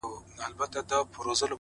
ټول کندهار کي يو لونگ دی!! دی غواړي!!